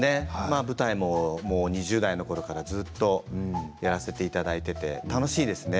舞台も２０代のころからずっとやらせていただいていて楽しいですね。